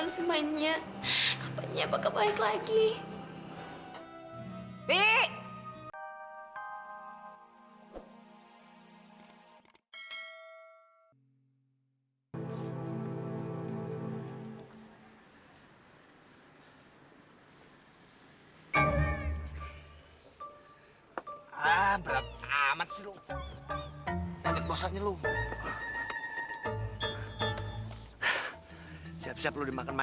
sampai jumpa di video selanjutnya